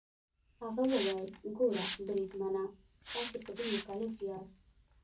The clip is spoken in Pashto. هغه وویل: ګوره بریدمنه، تاسي په دې مکلف یاست.